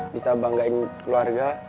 bisa banggain keluarga